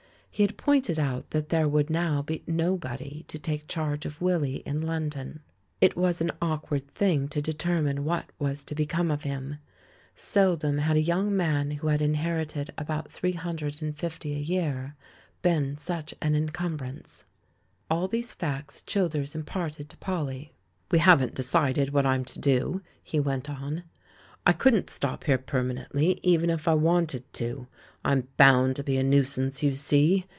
He had pointed out that there would now be nobody to take charge of Willy in London. It was an awkward thing to determine what was to become of him. Seldom had a young THE LAURELS AND THE LADY 129 man who had inherited about three hundred and fifty a year been such an encumbrance. All these facts Childers imparted to Polly. *'We haven't decided what I'm to do," he went on. "I couldn't stop here permanently, even if I wanted to; I'm bound to be a nuisance, you see.